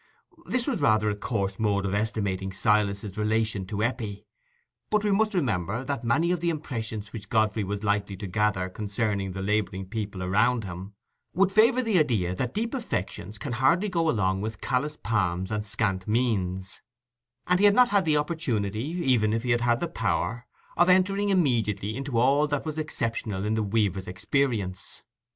This was rather a coarse mode of estimating Silas's relation to Eppie; but we must remember that many of the impressions which Godfrey was likely to gather concerning the labouring people around him would favour the idea that deep affections can hardly go along with callous palms and scant means; and he had not had the opportunity, even if he had had the power, of entering intimately into all that was exceptional in the weaver's experience.